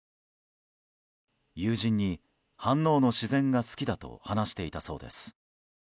友人に飯能の自然が好きだと話していたそうです。